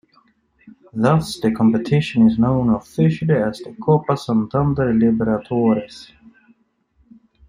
Thus, the competition is known officially as the '"Copa Santander Libertadores'".